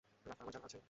রাস্তা আমার জানা আছে।